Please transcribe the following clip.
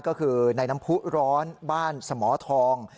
ก็คือในน้ำผู้ร้อนบ้านสมทอง